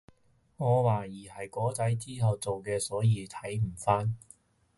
我懷疑係果籽之類做嘅所以已經睇唔返